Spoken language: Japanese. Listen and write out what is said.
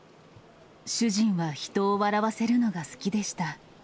主人は人を笑わせるのが好きでした。